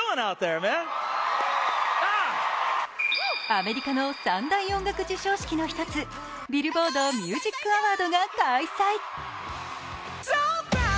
アメリカの３大音楽授賞式の１つ、ビルボード・ミュージック・アワードが開催。